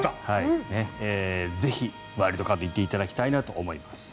ぜひワイルドカード行っていただきたいと思います。